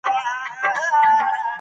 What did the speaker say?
آیا ژوندپوهنه په ملي ژبه تدریس کیږي؟